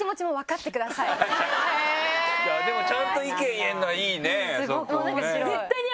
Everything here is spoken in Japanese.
でもちゃんと意見言えるのはいいねそこね。